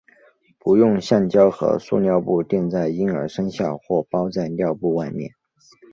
不用橡胶和塑料布垫在婴儿身下或包在尿布外面。